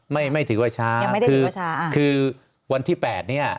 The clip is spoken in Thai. ไม่ไม่ถือว่าช้ายังไม่ได้เรียกว่าช้าอ่าคือวันที่แปดเนี้ย